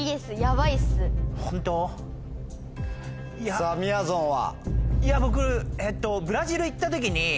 さぁみやぞんは？